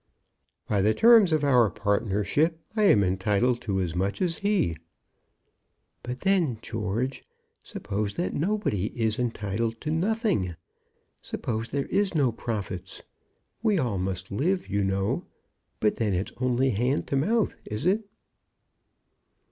"By the terms of our partnership I am entitled to as much as he." "But then, George, suppose that nobody is entitled to nothing! Suppose there is no profits. We all must live, you know, but then it's only hand to mouth; is it?"